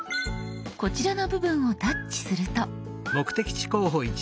こちらの部分をタッチすると。